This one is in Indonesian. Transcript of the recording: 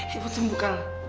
cepet sembuh kau